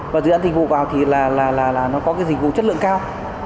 và dự án dịch vụ vào thì nó có cái dịch vụ chất lượng cao